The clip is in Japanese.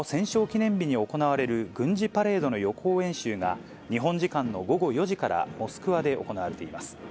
記念日に行われる軍事パレードの予行演習が、日本時間の午後４時から、モスクワで行われています。